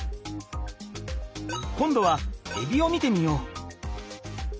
今度はえびを見てみよう。